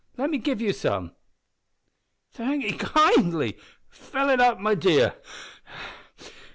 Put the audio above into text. Let me give you some." "Thank 'ee kindly fill it up my dear.